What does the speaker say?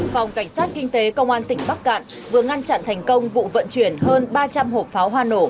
phòng cảnh sát kinh tế công an tỉnh bắc cạn vừa ngăn chặn thành công vụ vận chuyển hơn ba trăm linh hộp pháo hoa nổ